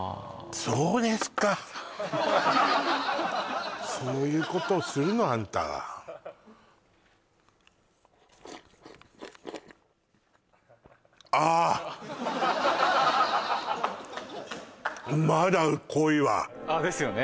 そうですかそういうことをするのあんたはああですよね